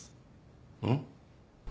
うん。